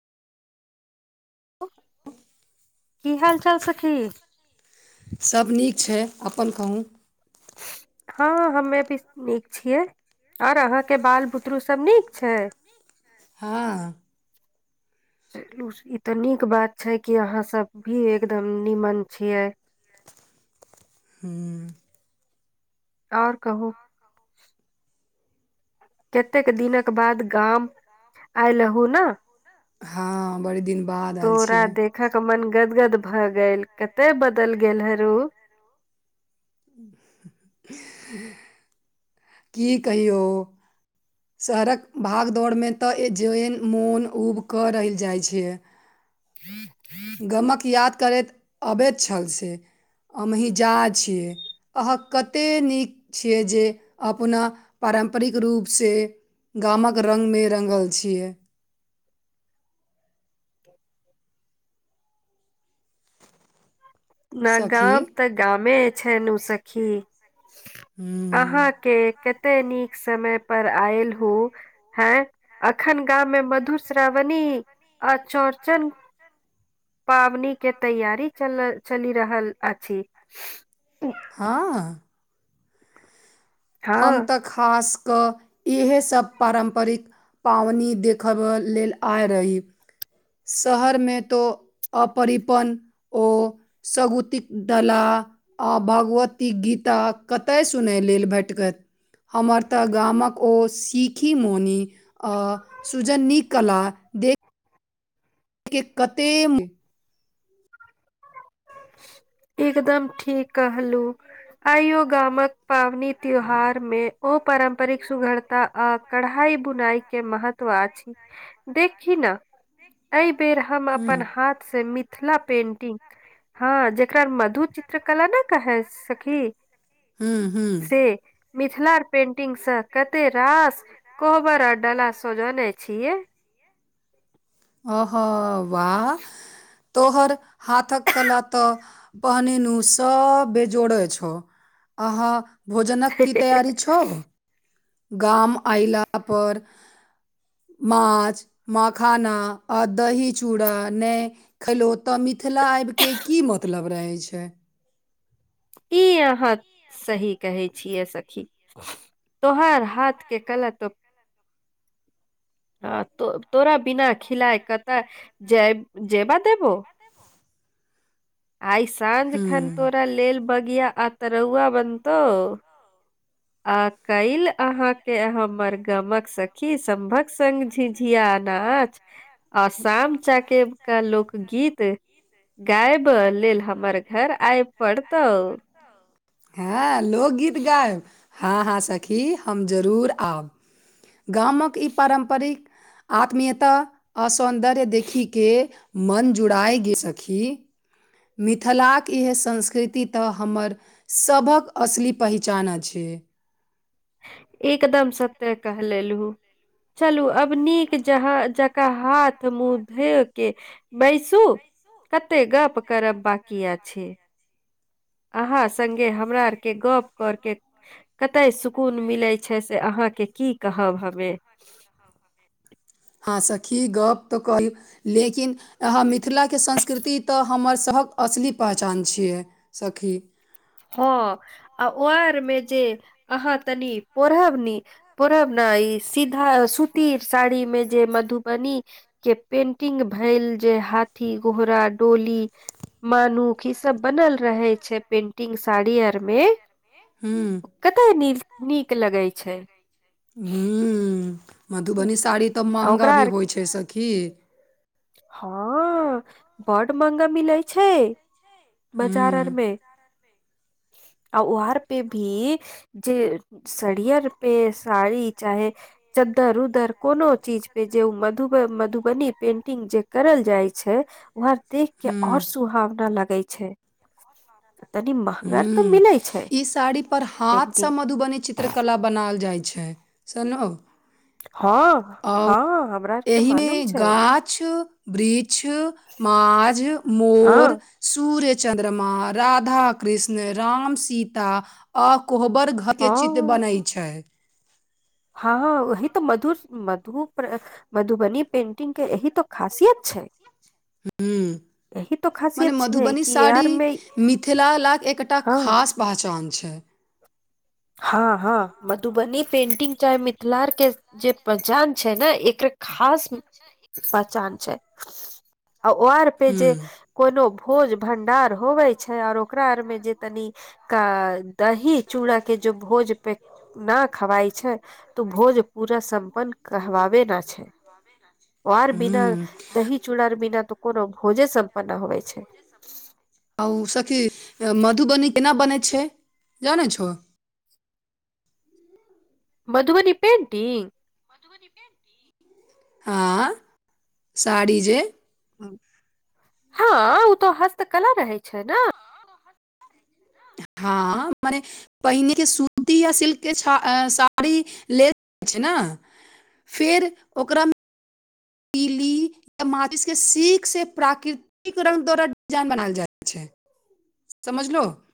कि हाल चाल सखी सभ नीक छै अपन कहू हँ हमे भी नीक छियै आओर अहाँकेँ बाल बुतरू सभ नीक छै हँ। चलू ई तऽ नीक बात छै कि अहाँसभ भी एकदम निीमन छियै हूँ आओर कहू कतेक दिन कऽ बाद गाम आयलूँ ने हँ बड़ी दिन बाद आयल तोरा छियै देखक मन गदगद भऽ गेल कते बदल गेल हे र कि कहियौ शहरक भागदौड़ मे तऽ जन मोन उब कऽ र जाइ छै [unintelligible] गमक याद करैत अबैत छल से हमही जा छियै अहाँ कतेक नीक छियै जे अपना पारम्परिक रूपसँ गामक रंगमे रंगल छियै [inaudible] न सखी गाम तऽ गामे छै नू सखी अहाँकेँ कते नीक समय पर आयल ह है अखन गाव मे मधु श्रावण अचौड़चन पावनि के तैयार चल चलि रहल अछि हँ। हम हँ तऽ खास कऽ इएहसभ पारम्परिक पाबनि देखबय लेलऽ आय रही शहरमे तो अपरिपन ओ सगुतिक दलाल आ भगवती गीता कतय सुनय लेलऽ भेटकत हमर तऽ गामक ओ सिखी मोनी आ सुजनी कला दे के कतेम एकदम ठीक कहलहु आइयो गाम मे पावनि त्यौहार मे ओ पारम्परिक सुधरता आ कढ़ाइ बुनाई के महत्व आ छी देखि ना एहि बेर हम अपन हाथसँ मिथिला पेंटिंग ह जेकरा मधु चित्रकला ने कहैय सखी गेलहुँ। से मिथिलार पेंटिंगसँ कते रास कोहबर डाला सजौने छियै अह वाह तोहर हाथक कला तऽ पहनी नु सब बेजोड़े छौ अहाँ भोजनक की तैयारी छौ गाम अयलापर माछ मखाना आ दही चूड़ा नहि खेलौत ओतय मिथिला आईबके की मतलब रहै छै ई अहाँ सही कहै छियै सखी तोहार हाथ के कलतुप आ तो तोरा बिना खिलाय कत जायब जैबा देबो आइ साँझ खन हूँ तोरा लेल बगिया आ तरौआ बनतौ आ काइल अहाँके हमर गमक सखी सम्भक सङ्ग झिझिया अनाच आ शाम चाकेब का लोकगीत गायब लेल हमर घर आइ पड़तौ हँ लोकगीत गायब हँ हँ सखी हम जरूर आब गामक ई पारम्परिक आत्मीयता आस सौन्दर्य देखिके मन जुड़िए गेल सखी मिथिलाक इह संस्कृति तऽ हमर सभक असली पहिचान छै त एकदम सत्य कह लेलहु चलू अब नीक जहाँ जक हाथ मुँह धोके बैसू कते गप करब बाँकी या छै अहाँ सङ्गे हमरा आरके गप्प करके कतय सुकून मिलै छै से अहाँ अहाँके की कहब हमे अहाँ सखी गप तऽ कहौ लेकिन अहाँ मिथिलाके संस्कृति तऽ हमर सभक असली पहचान छियै सखी हँ आ ओ आरमे जे अहाँ तनि पढ़ब नि पढ़ब नै आ इ सीधा सुती साड़ी में जे मधुबनी के पेंटिंग भैल जाइ जे हाथी घोड़ा डोली मानुख ई सब बनल रहै छै पेंट पेंटिंग साड़ी आर मे हम्म, कते नी नीक लगै छै ह्म मधुबनी आ साड़ी तऽ महँंगा ओकरा भी आर होइ छै सखी हँ बड महंगा मिलै छै बजार हम्म, आरमे आ उहार पे भी जे सड़ियर पे साड़ी चाहे चद्दर उदर कोनो चीज पे जे मधुब मधुबनी पेंट टिंग जे करल जाइ छै वह देख के और हम्म। सुहावना लगै छै तनी [inaudible] तऽ ह्म मिलै छै ई साड़ी पर हाथ से पेंटिंग मधुबनी चित्रकला बनाल जाय छै सनौ हँ हँ हमरा आरके एहिमे मालूम छै गाछ वृक्ष माझ हँ मोर सूर्य चन्द्रमा राधा कृष्ण राम सीता अ कोहबर घर के चित्र हँ बनै छै हँ ओहि तऽ मधुर मधुपर मधुबनी पेंटिंग के एहि तऽ खासियत छै हू यही तो मने खासियत छै मधुबनी कि साड़ी यार मे मिथिला ला एकटा हँ खास पहचान छै [unintelligible] हँ हँ मधुबनी पेंटिंग चाहे मिथिला आर के जे पहचान छै ने एकर खा खास पहचान छै आ ओ आर पे जे हुं, कोनो भोज भंडार होवे छै और ओकरा आर में जे तनी कनि दही चूड़ा के जो भोज पे न खवाइ छै तऽ भोज पूरा सम अपन कहवावे न छै वार बिना हुं, दही चुड़ा आर बिना तऽ कोनो भोजे सम्पन्न न होवय छै आ उ सखी मधुबनी केना बनै छै जानै छो मधुबनी पेंटिंग मधुबनी पेंटिंग हँ साड़ी जे हँ ओ तो हस्तकला रहय छै न हँ मने पहिने के सूती या सिल्क के साड़ी ले छैने फेर ओकरामे त माचिस के सीख से प्राकृतिक रंग द्वारा डिजाइन बनायल जाइत छै समझलो